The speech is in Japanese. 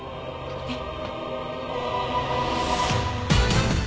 えっ？